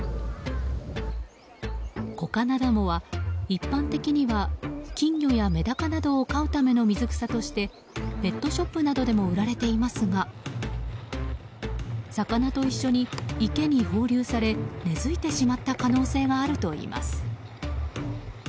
コカナダモは、一般的には金魚やメダカなどを飼うための水草としてペットショップなどでも売られていますが魚と一緒に池に放流され根づいてしまった可能性があるといいます。